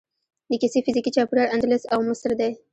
د کیسې فزیکي چاپیریال اندلس او مصر دی.